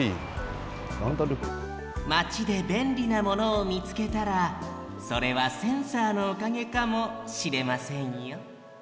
マチでべんりなものをみつけたらそれはセンサーのおかげかもしれませんよ